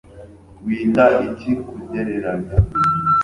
Wita iki kugereranya